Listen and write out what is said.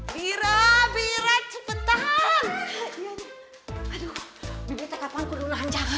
bira bira cepetan